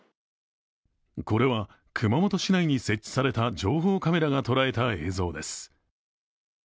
これは熊本市内に設置された情報カメラが捉えた映像です。